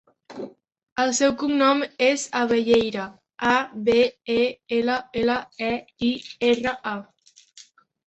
El seu cognom és Abelleira: a, be, e, ela, ela, e, i, erra, a.